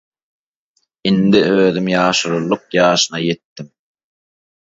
Indi özüm ýaşululyk ýaşyna ýetdim.